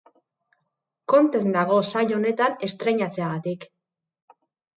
Kontent nago sail honetan estreinatzeagatik.